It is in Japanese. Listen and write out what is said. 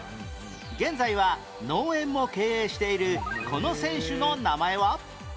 現在は農園も経営しているこの選手の名前は？